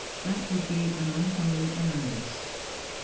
'that would be an unholy alliance.'